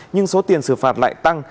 nhưng số tiền xử phạt lại tăng